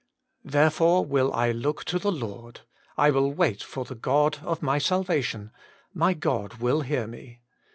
* Therefore will I look to the Lord ; I will wait for the God of my salvation ; my God will hear me.'